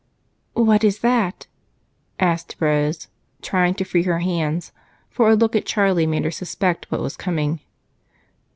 "What is that?" asked Rose, trying to free her hands, for a look at Charlie made her suspect what was coming.